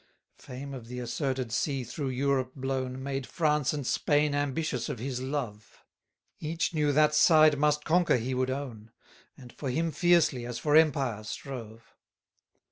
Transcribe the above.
22 Fame of the asserted sea through Europe blown, Made France and Spain ambitious of his love; Each knew that side must conquer he would own; And for him fiercely, as for empire, strove.